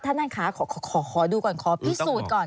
ถ้านักค้าขอดูก่อนขอพิสูจน์ก่อน